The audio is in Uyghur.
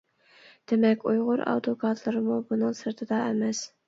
دېمەك ئۇيغۇر ئادۋوكاتلىرىمۇ بۇنىڭ سىرتىدا ئەمەس.